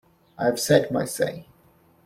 I have said my say.